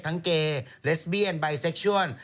ทั้งเกยเลสเบียนบายเซคชั่วน์